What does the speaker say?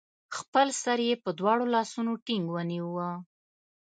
خپل سر يې په دواړو لاسونو ټينګ ونيوه